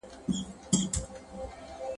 د لارښود کار د مقالي د ژبي سمول نه دي.